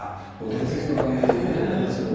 伝説の番組ということになります。